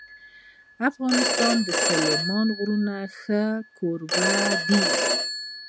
افغانستان د سلیمان غر یو ښه کوربه دی.